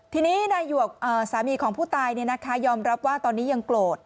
ทีนี้นายสามีของผู้ตายยอมรับว่าตอนนี้ยังโกรธ